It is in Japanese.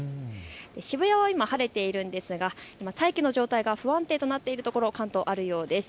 渋谷は今、晴れているんですが大気の状態が不安定となっているところ、関東、あるようです。